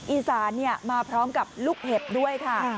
อีสานมาพร้อมกับลูกเห็บด้วยค่ะ